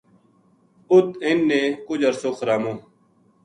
اُت اِنھ نے کُج عرصو خرامو